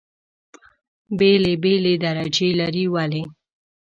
بېلې بېلې درجې لري. ولې؟